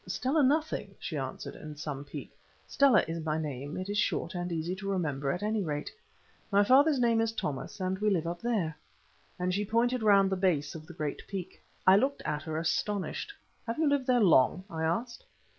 "Stella nothing," she answered, in some pique; "Stella is my name; it is short and easy to remember at any rate. My father's name is Thomas, and we live up there," and she pointed round the base of the great peak. I looked at her astonished. "Have you lived there long?" I asked.